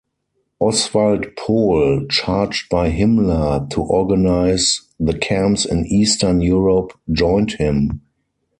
Oswald Pohl, charged by Himmler to organize the camps in Eastern Europe joined him.